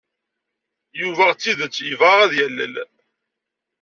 Yuba d tidet yebɣa ad yalel.